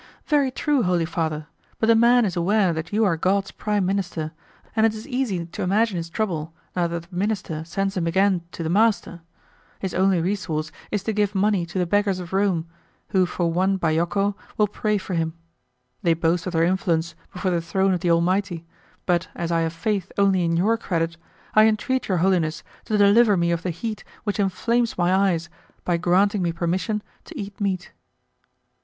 "Very true, Holy Father; but the man is aware that you are God's prime minister, and it is easy to imagine his trouble now that the minister sends him again to the master. His only resource is to give money to the beggars of Rome, who for one 'bajocco' will pray for him. They boast of their influence before the throne of the Almighty, but as I have faith only in your credit, I entreat Your Holiness to deliver me of the heat which inflames my eyes by granting me permission to eat meat."